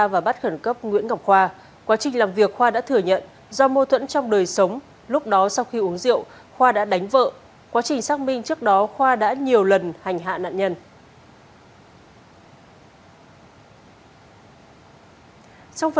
việc khoa đã thừa nhận do mô tuẫn trong đời sống lúc đó sau khi uống rượu khoa đã đánh vợ quá trình xác minh trước đó khoa đã nhiều lần hành hạ nạn nhân